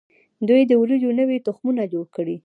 دوی د وریجو نوي تخمونه جوړ کړي.